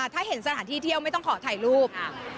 ถ้าเห็นสถานที่เที่ยวไม่ต้องขอถ่ายรูป